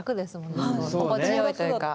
心地よいというか。